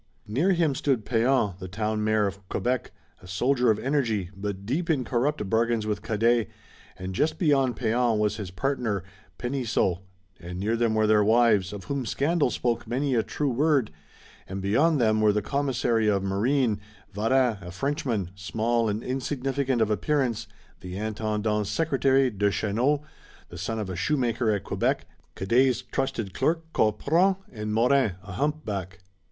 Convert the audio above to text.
Near him stood Pean, the Town Mayor of Quebec, a soldier of energy, but deep in corrupt bargains with Cadet, and just beyond Pean was his partner, Penisseault, and near them were their wives, of whom scandal spoke many a true word, and beyond them were the Commissary of Marine, Varin, a Frenchman, small and insignificant of appearance, the Intendant's secretary, Deschenaux, the son of a shoemaker at Quebec, Cadet's trusted clerk, Corpron and Maurin, a humpback.